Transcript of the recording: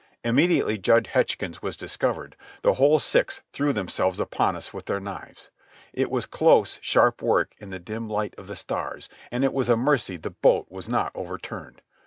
Immediately Jud Hetchkins was discovered, the whole six threw themselves upon us with their knives. It was close, sharp work in the dim light of the stars, and it was a mercy the boat was not overturned.